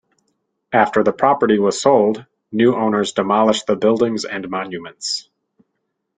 After the property was sold, new owners demolished the buildings and monuments.